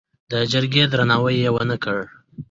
د جرګې درناوی یې ونه کړ.